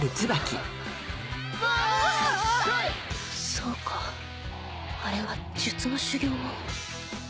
そうかあれは術の修業を。